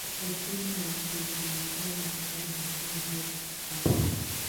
heshima ya kuitumikia Marekani Heshima hiyo akipata